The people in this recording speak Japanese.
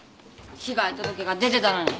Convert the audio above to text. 被害届が出てたのに。